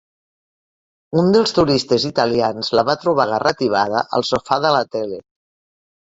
Un dels turistes italians la va trobar garratibada al sofà de la tele.